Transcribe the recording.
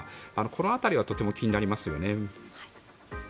この辺りはとても気になりますよね。